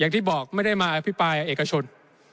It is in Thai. ที่บอกไม่ได้มาอภิปรายเอกชน